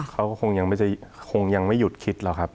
เขาก็คงยังไม่หยุดคิดหรอกครับ